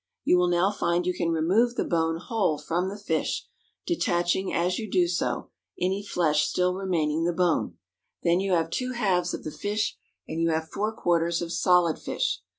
You will now find you can remove the bone whole from the fish, detaching, as you do so, any flesh still retaining the bone. Then you have two halves of the fish, and you have four quarters of solid fish.